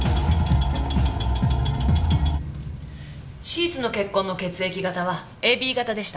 シーツの血痕の血液型はＡＢ型でした。